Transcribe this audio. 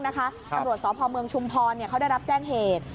อันโหลดสอบภอมเมืองชุมพรเขาได้รับแจ้งเหตุ